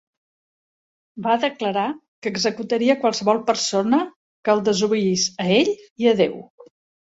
Va declarar que executaria a qualsevol persona que el desobeís a ell i a Déu.